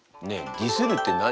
「ディスる」って何？